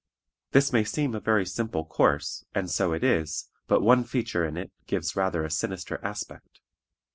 This may seem a very simple course, and so it is, but one feature in it gives rather a sinister aspect.